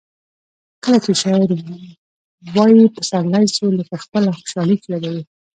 کله چي شاعر وايي پسرلی سو؛ لکه خپله خوشحالي چي یادوي.